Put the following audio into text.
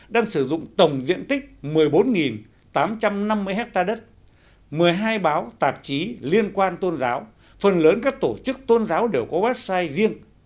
đang sử dụng tổng diện tích một mươi bốn tám trăm năm mươi hectare đất một mươi hai báo tạp chí liên quan tôn giáo phần lớn các tổ chức tôn giáo đều có website riêng